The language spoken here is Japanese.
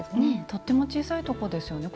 とっても小さいとこですよね。